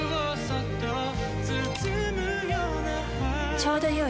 ちょうどよい。